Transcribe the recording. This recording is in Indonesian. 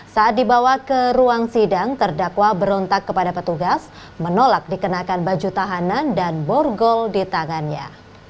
saat dibawa ke ruang sidang terdakwa berontak kepada petugas menolak dikenakan baju tahanan dan borgol di tangannya